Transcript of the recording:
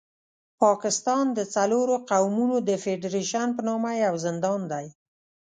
پاکستان د څلورو قومونو د فېډرېشن په نامه یو زندان دی.